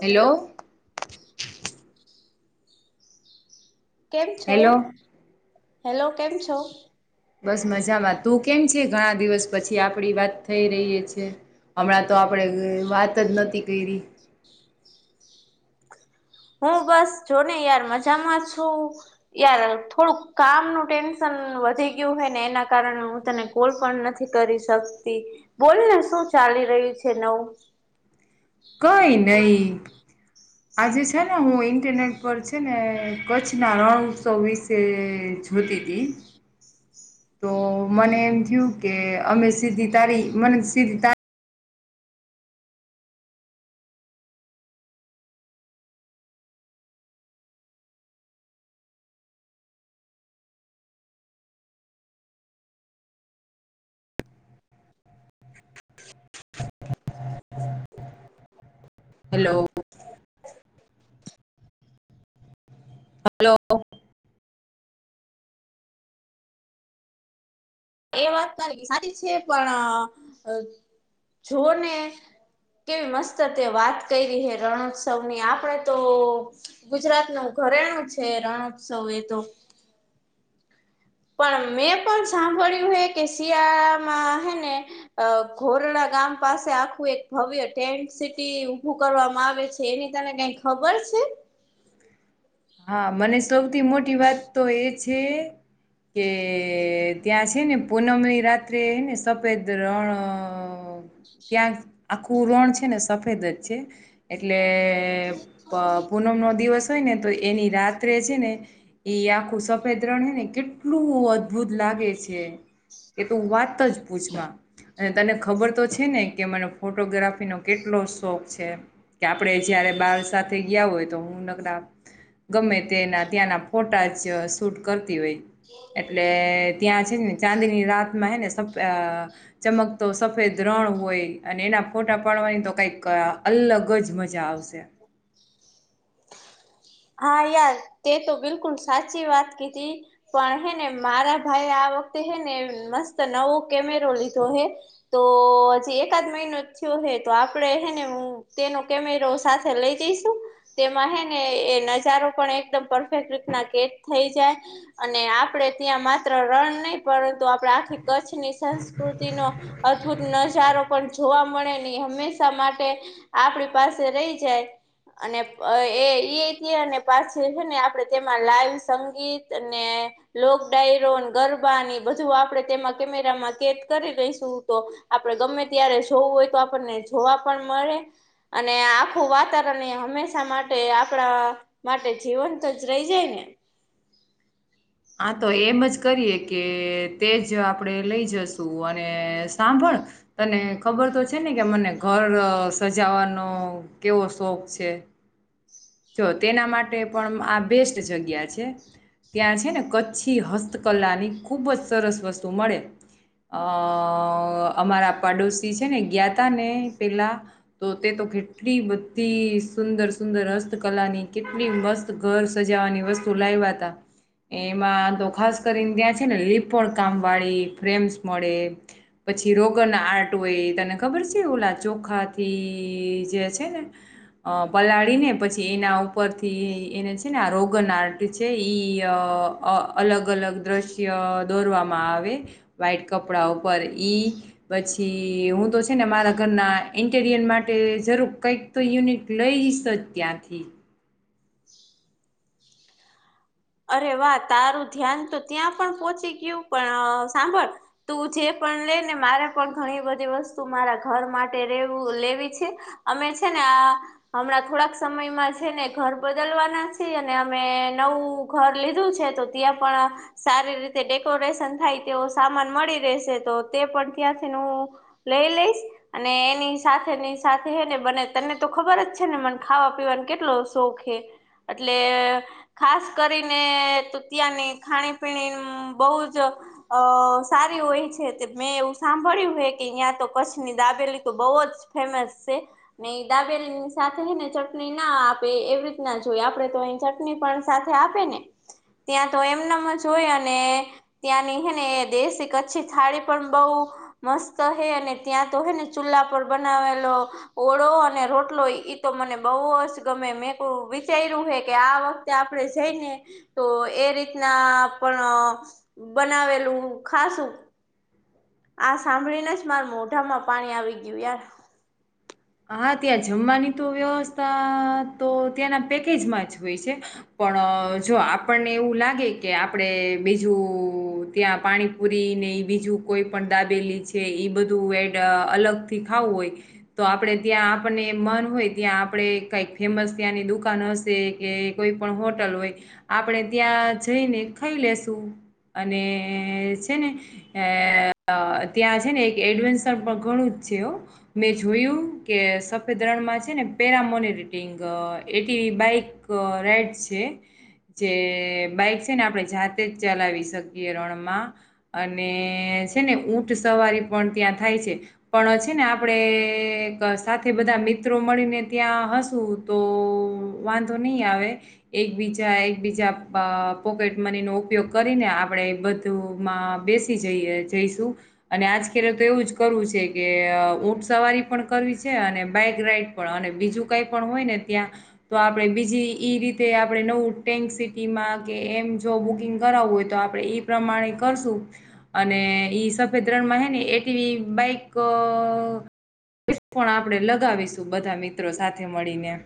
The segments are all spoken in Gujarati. હેલો. કેમ છો? હેલો હેલો કેમ છો? બસ મજામાં તું કેમ છે? ઘણા દિવસ પછી આપડી વાત થઈ રહી છે. હમણાં તો આપણેે અ વાત જ નથી કઈરી. હું બસ જોને યાર મજામાં છું, યાર થોડુંક કામનું ટેન્શન વધી ગયું હોયને એના કારણે હું તને કોલ પણ નથી કરી શકતી, બોલ ને શું ચાલી રહ્યું છે નવુ. કઈ નહી. આજે છે ને હું ઇન્ટરનેટ પર છે ને કચ્છના રણ ઉત્સવ વિશે છ જોતી તી. તો મને એમ થયું કે અમે સીધી તારી મને સીધી તારી હેલો. હલો. એ વાત તારી સાચી છે પણ, અ જોને કેવી મસ્ત હતી વાત કરી હે રણોત્સવ ની આપડે તો ગુજરાત નુ ઘરેણું છે રણોઉત્સવ એ તો. [inaudible] પણ મેં પણ સાંભળ્યું હે કે શિયાળામાં હેને, ઘોરડા ગામ પાસે આખું એક ભવ્ય ટેન્ટ સિટી ઉભું કરવામાં આવે છે એની તને કઈ ખબર છે? [inaudible] હા મને સૌથી મોટી વાત તો એ છે કે ત્યાં છે ને પૂનમની રાત્રેને સફેદ રણ ત્યાં આખું રણ છે ને સફેદ જ છે. એટલે એએ પ પૂનમ નો દિવસ હોય ને તો એની રાત્રે છે ને, એ આખું સફેદ રણ હ ને કેટલું અદ્ભુત લાગે છે. એ તો વાત જ પૂછમાં, અને તને ખબર તો છે ને કે મને ફોટોગ્રાફીનો કેટલો શોખ છે. કે આપડે જયારે બાર સાથે ગયા હોય તો હું નકડા ગમે તેના ત્યાંના ફોટા જ શૂટ કરતા એટલે ત્યાં ને ચાંદીની રાતમાંને ચમકતો સફેદ રણ હોય અને એના ફોટ ટા પાડવાની તો કઈક અલગ જ મજા આવશે. હા યાર તે તો બિલકુલ સાચી વાત કીધી, પણ હે ને મારા ભાઈ વખતે હે ને મસ્ત નવો કેમેરો લીધો હે, તો હજી એકાદ મહિનો થયો તો આપે હેને હું તેનો કેમેરો સાથે લઈ જઈશું, તેમાં હે ને નજારો પણ એકદમ પરફેક્ટ રીતના કેટ થઈ જાય, અને આપણેે ત્યાં માત્ર રન ન પરંતુ આપણે આખી કચ્છની સંસ્કૃતિ નો, અદભુત નજારો પણ જોવા મળે હંમેશા માટે, આપણી પાસે રહી જાય, અને એ અને પાછી છે ને આપણે તેમાં લાઈવ સંગીત અને, લોક ડાયરોન ગર્ ની બુ આપણે તેમાં કેમેરામાં કેદ કરી રઈશું તો આપડે ગમે ત્યારે જોવું હોય. આપણને જોવા પણ મળે અને આખું વાતાવરણ એ હંમેશા માટે આપણા. માટે જીવન તો જ રહી જાય ને. હા તો એમ જ કરીએ કે તે જ આપણેે લઈ જશુ અને સાંભળ. તને ખબર તો છે ને કે મને ઘર સજાવાનો કેવો શોખ છે. હ. જો તેના માટે પણ આ બેસ્ટ જગ્યા છે. ત્યાં છે ને કચ્છી હસ્તકલાની ખૂબ જ સરસ વસ્તુ મળે. અ અમારા પાડોશી છે ને ગયા ત ને પેલા તો તે તો કેટલી બધી સુંદર સુંદરસ્ કલા ની કેટલી મસ્ત ઘર સજાવાની વસ્તુ લાવવા ત એમાં તો ખાસ કરીને ત્યાં છે ને લીપ પણ કામ વાળી ફ્રેમ્સ મળે પછી રોગર ના આર્ટ હોય તને ખબર છે ઓલા ચોખાથી જે છે ને અ પલાળી ને પછી એના ઉપરથી એને છે રોગન આર્ટ છે ઈ અલગ અલગ દ્રશ્ય દોરવામાં આવે વ્ાઈટ કપડા ઉપર ઈ પછી હું તો છે ને મારા ઘરના ઇન્ટીરિયર માટે જરૂર કંઈક તો યુનિટ લઈ જશ તો જ ત્યાંથી પ ઠી અરે વાહ તારું ધ્યાન તો ત્યાં પણ પોહોંચી ગયું પણ સાંભળ તું જે લે ને મારે પણ ઘણી બધી વસ્તુ મારા ઘર માટેેું લેવી છે અમે છે ને હમણાં થોડાક સમયમાં છે ને ઘર બદલવાના છીએ અને અમે નવું ઘર લીધું છે તો ત્યાં પણ સારી રીતે ડેકોરેશન થાય તેવ સામાન મળી રહેશે તો તો તે પણ ત્યાંથી હું લઈ લઈશ અને એની સાથે ની સાથેને બને ત ને તો ખબર જ છે ને મને ખાવા પીવાનો કેટલો શોખ એ એટલે ખાસ કરીને ત્યાંની ખાણીપીણી બહુ જ અ સારી હોય છે. મેં એવું સાંભળ્યું હ કે અહં તો કચ્છની દાબેલી તો બહુ જ ફેમસ છે. દાબેરીની સાથેને ચટણી ના આપે એવી રીત ના જોઈ આપડે તો અહી ચટણી પણ. આપે ને. ત્યાં તો એમનામ હોય અને ત્યાંની હેને દેશી કચ્છી થાળી પણ બહ. મસ્ત હે અને ત્યાં તો હે ને ચૂલ્લા પર બનાવેલો ઓળો અને રોટલો. તો મને બહુ જ ગમે મેકું વિચાર્યું હે કે આ વખતે. આપણે જઈને તો એ રીતના પણ બનાવેલું ખાસું. આ સાંભળીને જ માર મોઢામાં પાણી આવી ગયું યાર. હા ત્યાં જમવાની તો વ્યવસ્થા તો ત્યાંના પેકેજમાં જ હોય છે પણ. જો આપણને એવું લાગે કે આપણેે બીજું ત્યાં પાણીપુરી ને બી. બીજી કોઈ પણ દાબેલી છે ઈ બધું એડ અલગ થી ખાવું હોય. તો આપણે ત્યાં આપણને મન હોય ત્યાં આપણે કઈક ફેમસ ત્યાંની દુકાન હશે કે કોઈ. પણ હોટલ હોય આપણેે ત્યાં જઈને ખાઈ લેશું. અને છે ને અ ત્યાં છે ને એક એડવેન્ચર ઘણું. છે અ મે. જોયું કે સફેદ રણમાં છે ને para monitoring ATV bike. Right છે. જે બાઈક છે ને આપણે જાતે જ ચલાવી શકીએ રણમાં અને. છે ને ઊંટ સવારી પણ ત્યાં થાય છે પણ છે ને આપણે. એક સાથે બધા મિત્રો મળીને ત્યાં હસું તો વાંધો નહી આવે. એક બીજા એક બીજા પોકેટ મની નો ઉપયોગ કરીને આપણેે બધું. બેસી જઈ જઈશું અને આજલે તો એવું જ કરવું છે કે ઊંટ સવારી. પણ કરવી છે અને બાઈક રાઈડ પણ અને બીજું કઈ પણ હોય ને ત્યાં તો આપણે બીજી ઈ ર રીતે આપડણે નવું ટેન્ક સિટીમાં કે એમ જો બુકિંગ કરાવવું હોય તો આપડે એ પ્રમાણે કરશું. અને ઈ સફેદ રણમાં હે ને એ ટી વી બાઈક પણ આપણે લગાવીશું બધા મિત્રો સાથે મળીને. [inaudible]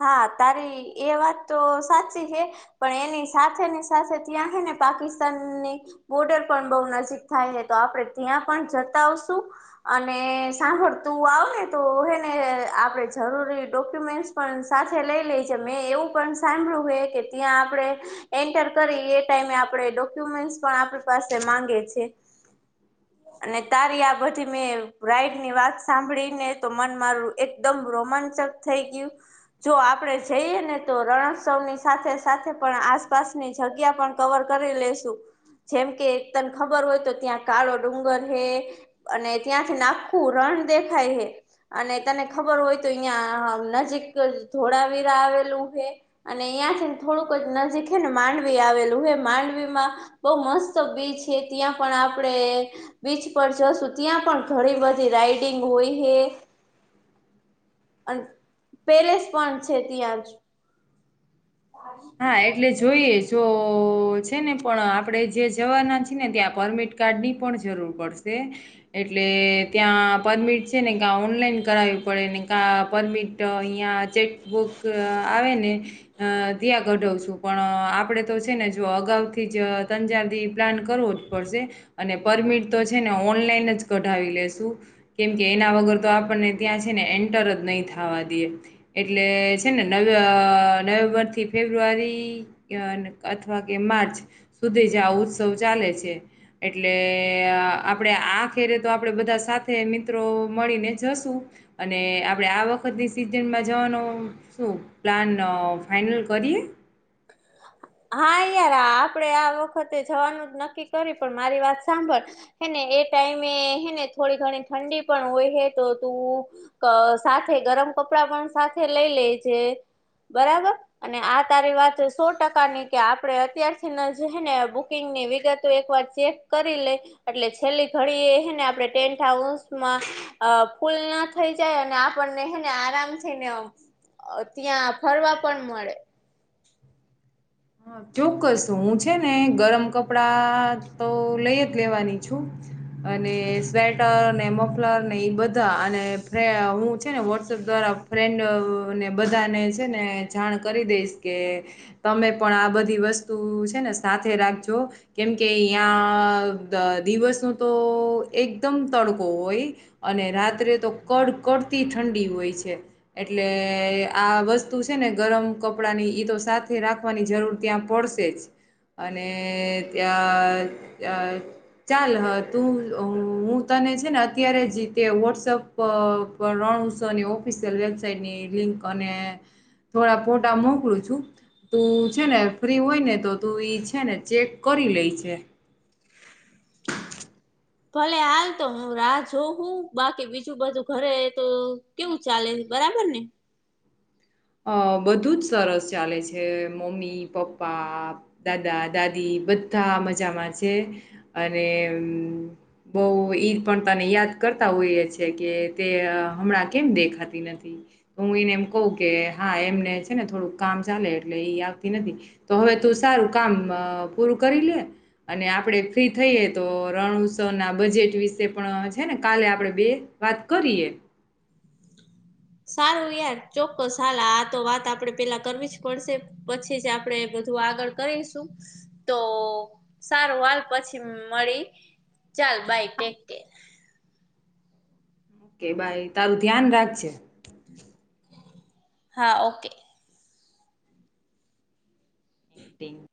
હા, તારી એ વાત તો સાચી હે પણ એની સાથેને સાથે ત્યાં હે ને પાકિસ્તાનની બોર્ડર પણ બહુ નજીક થાય હે તો આપણે ત્યાં પણ જતા આવશું. અને સાંભળ તું આવને તો હે ને આપણે જરૂરી ડોક્યુમેન્ટ્સ સાથે લઈ લેજે મેં એવું પણ સાંભળ્યું હે કે ત્યાં આપણેે એન્ટર કરી એ ટા ઈમે આપણે ડોક્યુમેન્ટ પણ આપણી પાસે માંગે છે. [inaudible] અને તારી આ બધી મેં રાઈડની વાત સાંભળીને તો મન મારું એકદમ રોમાં ચક થઈ ગયું. જો આપણે જઈએ ને તો રણોત્સવની સાથે સાથે પણ આસપાસની જગ્યા પણ ક કવર કરી લેશું. જેમ કે તને ખબર હોય તો ત્યાં કાળો ડુંગર હે અને ત્યાં થઈ ન આખું રણ પણ દેખાય હે અને તને ખબર હોય તો અહિયાં નજીક ધોળાવીરા આવેલું હે અને અયાંથીને થોડુંક જ નજીક હે ને માંડવી આવેલું હે. માંડવીમાં બહુ મસ્ત બીચ હે ત્યાં પણ આપણે બીચ પર જશું ત્યાં પણ ઘણી બધી રાઈડિંગ હોય હે. [inaudible] અન પેલેસ પણ છે ત્યાં જ. હા એટલે જોઈએ જો છે ને પણ આપણે જે જવાના છી ને ત્યાં પરમિટ કાર્ડની પણ જરૂર પડશે એટ એટલે ત્યાં પરમિટ છે ને કા ઓનલાઈન કરાવવી પડે ને કા પરમિટ અહીંયા ચેકબુક આવેને અ ત્યાં ગઢવશું પણ આપણે તો છે ને જો અગાઉથી જ તંજારથી પ્લાન કરવો જ પડશે. પરમિટ તો છે ને ઓનલાઈન જ કઢાવી લેશું કેમ કે એના વગર તો આપણને ત્યાં છે ને એન્ટર જ નહીં થાવા દીયે એટલે છે ને નવે અ નવેમ્બરથી ફેબ્રુઆરી અથવા કે માર્ચ સુધી જ આ ઉત્સવ ચાલે છે. એટલે આપણે આખેરે તો આપણેે બધા સાથે મિત્રો મળીને જશું. અને આપણે આ વખતની સિઝનમાં જવાનું શું પ્લાન અ ફાઈનલ? કરીએ? હા યાર આ આપડે આ વખતે જવાનું જ નક્કી કરીએ પણ મારી વાત સાંભળ હેને એ ટાઈમે હે ને થોડી ઘણી ઠંડી પણ હોય હે તો તું ક સાથે ગરમ કપડાં પણ સાથે લઈ લેજે બરાબર અને આ તારી વાત સો ટકા ની કે આપણે અત્યારથી જ ને બુકિંગની વિગતો એકવાર ચેક કરી લે એટલે છેલ્લી ઘડી એ હેને આપણે ટેન્ટ હાઉસમાં અ ફૂલ ના થઈ જાય અને આપણને ને આરામથી ને ત્યાં ફરવા પણ મળે. હ ચોક્કસ, હું છે ને ગરમ કપડાં તો લય જ લેવાની છું. અને સ્વેટર મફલર ને ઈ બધા અને હું છે ને વોટ્સઅપ દ્વારા ફ્રેન્ડને બધાને છે ને જાણ કરી દઈશ કે તમે પણ આ બધી વસ્તુ છે ને સાથે રાખજો કેમ કે યાં દિવસ તો એકદમ તડકો હોય અને રાત્રે તો કડકડતી ઠંડી હોય. ય છે એટલે આ વસ્તુ છે ને ગરમ કપડાં ની ઈ તો સાથે રાખ વાની જરૂર ત્યાં પડશે જ. અને ત્યાં અ ચાલ તું હું ત ને છે ને અત્યારે જી તે વોટ્સઅપ રણઉત્સવની ઓફિશિયલ વેબસાઇટની લિંક અને થોડા ફોટા મોકલું છું. તું છે ને ફ્રી હોય ને તો તું ઈ છે ને ચેક કરી લેય જે. ભલે, હાલ તો હું રાહ જોઉ હું બાકી બીજું બધું ઘરે તો કેવું ચાલે? બરાબર ને અ બધું જ સરસ ચાલે છે મમ્મી પપ્પા દાદા દાદી બધા મજામાં છે અને બઉ ઈ પણ તને યાદ કરતા હોઈએ છે કે તે હમણાં કેમ દેખાતી નથી હું એનેમ કહ કે હા એમને છે ને થોડુંક કામ ચાલે એટલે ઈ આવતી નથી તો હવે તું સારું કામ પૂરું કરી લે અને આપણેે ફ્રી થઈએ તો રણ ઉત્સવ ના બજેટ વિશે પણ છે ને કાલે આપણેે બે વાત કરીએ સારું યાર ચોક્કસ હાાલ આ તો વાત આપડે પેલા કરવી જ પડશે પછી જ આપડે આગળ કરીશું તો સારું હલ પછી મળી ચાલ ભઈ ટેક કે ઓકે ભાઈ તારું ધ્યાન રાખજ હા ઓકે પેઇન્ટિંગ